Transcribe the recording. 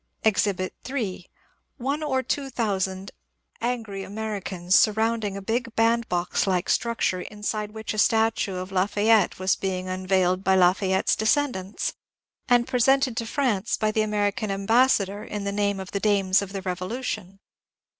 Exhibit 3. One or two thousand angry Americans surround ing a big bandbox like structure inside which a statue of La fayette was being unveiled by Lafayette's descendants, and presented to France by the American ambassador in the name of the Dames of the Revolution.